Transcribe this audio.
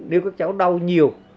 nếu các cháu đau nhiều